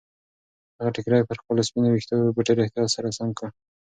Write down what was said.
هغې ټیکری پر خپلو سپینو ویښتو په ډېر احتیاط سره سم کړ.